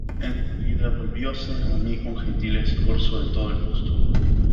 en seguida volvióse a mí con gentil escorzo de todo el busto: